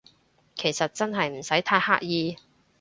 其實真係唔使太刻意